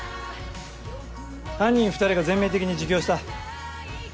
犯人２人が全面的に自供した。